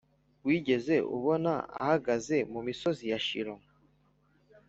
wigeze ubona ahagaze mu misozi ya shilo